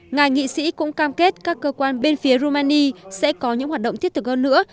ngài nghị sĩ cũng cam kết các cơ quan bên phía romani sẽ có những hoạt động thiết thực hơn nữa